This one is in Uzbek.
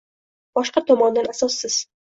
boshqa tomondan asossiz